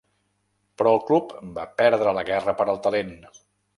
“Però el club va perdre la ‘guerra per al talent’”.